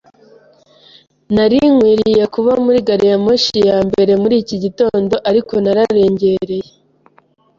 Nari nkwiye kuba muri gari ya moshi ya mbere muri iki gitondo, ariko nararengereye.